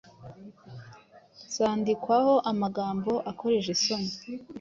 zandikwaho amagambo akojejeje isoni